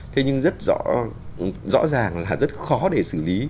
thế nhưng rất rõ ràng là rất khó để xử lý